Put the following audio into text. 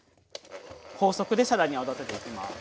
高速で更に泡立てていきます。